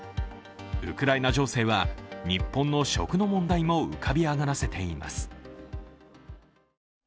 ウクライナ情勢は日本の食の問題も浮かび上がらせています。